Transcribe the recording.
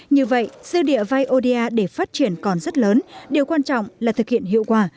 như vậy dư địa vai oda để phát triển còn rất lớn điều quan trọng là thực hiện hiệu quả